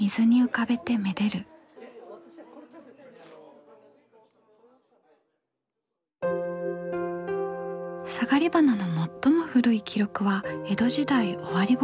サガリバナの最も古い記録は江戸時代終わりごろのもの。